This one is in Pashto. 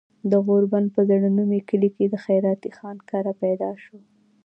د غوربند پۀ زړه نومي کلي د خېراتي خان کره پيدا شو